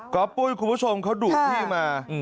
ก็ปุ้ยคุณผู้ชมเขาดุพี่มา